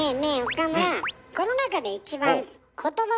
岡村。